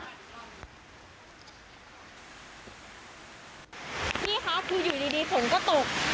ยะพี่คะคืออยู่ดีฝนก็ตก